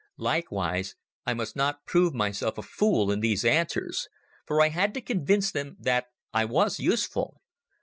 Likewise, I must not prove myself a fool in these answers, for I had to convince them that I was useful.